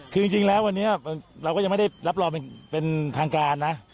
คือจริงแล้ววันนี้เราก็ยังไม่ได้รับรองเป็นทางการนะ